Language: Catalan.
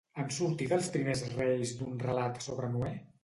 Han sortit els primers reis d'un relat sobre Noè?